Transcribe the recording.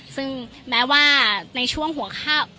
ซึ่งแม้ว่าในช่วงหัวข้าม